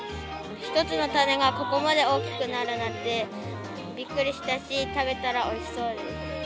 １つの種がここまで大きくなるなんてびっくりしたし、食べたらおいしそうです。